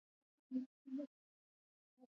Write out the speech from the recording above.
افغانستان د چرګان د ساتنې لپاره قوانین لري.